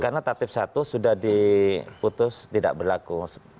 karena tatib satu sudah diputus tidak berlaku